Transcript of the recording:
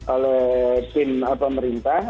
oleh tim pemerintah